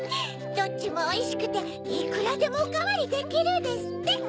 「どっちもおいしくていくらでもおかわりできる」ですって。